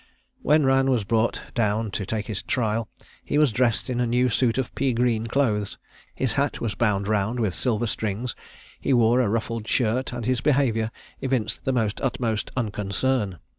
When Rann was brought down to take his trial he was dressed in a new suit of pea green clothes; his hat was bound round with silver strings; he wore a ruffled shirt, and his behaviour evinced the utmost unconcern.